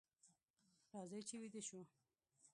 راځئ چې ویده شو.